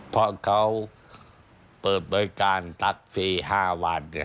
เพราะเขาเปิดบริการตักฟรี๕วัน